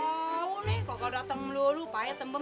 aulih kok kalo dateng melulu payah tembem